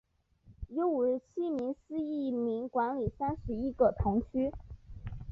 由五十七名司铎名管理三十一个堂区。